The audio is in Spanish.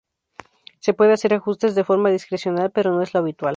Se puede hacer ajustes de forma discrecional pero no es lo habitual.